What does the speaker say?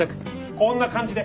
こんな感じで！